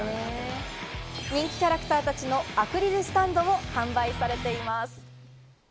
人気キャラクターたちのアクリルスタンドも販売されています。